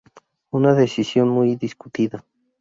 Una decisión muy discutida.